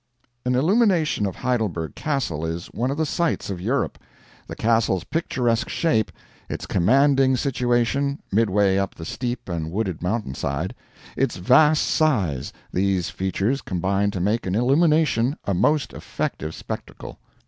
An illumination of Heidelberg Castle is one of the sights of Europe. The Castle's picturesque shape; its commanding situation, midway up the steep and wooded mountainside; its vast size these features combine to make an illumination a most effective spectacle.